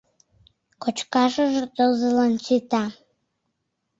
— Кочкашыже тылзылан сита.